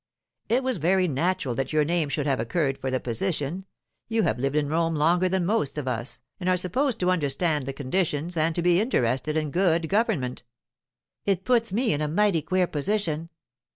It was very natural that your name should have occurred for the position; you have lived in Rome longer than most of us, and are supposed to understand the conditions and to be interested in good government.' 'It puts me in a mighty queer position.